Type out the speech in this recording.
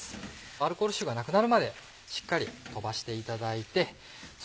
アルコール臭がなくなるまでしっかり飛ばしていただいてそ